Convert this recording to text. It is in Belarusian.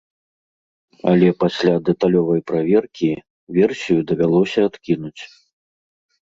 Але пасля дэталёвай праверкі версію давялося адкінуць.